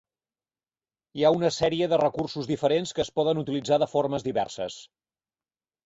Hi ha una sèrie de recursos diferents que es poden utilitzar de formes diverses.